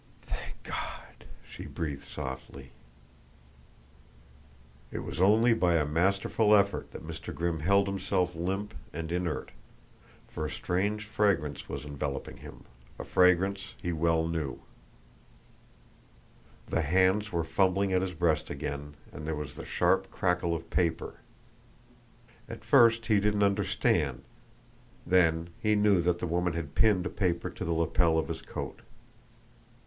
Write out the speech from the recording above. "Thank God!" she breathed softly. It was only by a masterful effort that Mr. Grimm held himself limp and inert, for a strange fragrance was enveloping him a fragrance he well knew. The hands were fumbling at his breast again, and there was the sharp crackle of paper. At first he didn't understand, then he knew that the woman had pinned a paper to the lapel of his coat.